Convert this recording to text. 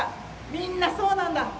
みんなそうなんだ。